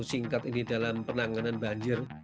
singkat ini dalam penanganan banjir